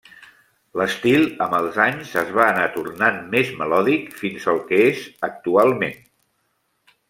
L'estil amb els anys es va anar tornant més melòdic fins al que és actualment.